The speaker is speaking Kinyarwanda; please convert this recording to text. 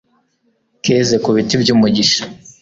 keze ku biti by'umugisha